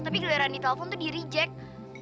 tapi gila rani telfon tuh di reject